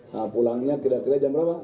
nah pulangnya kira kira jam berapa